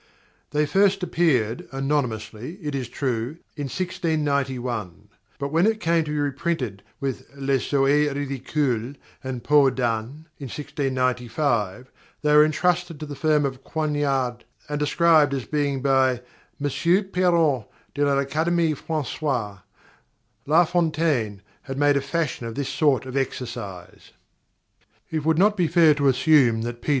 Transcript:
The first appeared, anonymously it is true, in 1961; but, when it came to be reprinted with "Les Souhaits Ridicules" and "Peau d'Asne" in 1695, they were entrusted to the firm of Coignard and described as being by "Mr Perrault, de l'Academie Françoise." La Fontaine had made a fashion of this sort of exercise._ _It would not be fair to assume that P.